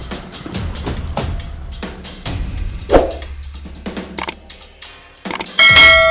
malin jangan lupa